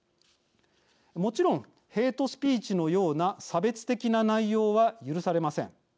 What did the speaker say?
もちろんヘイトスピーチのような差別的な内容は許されません。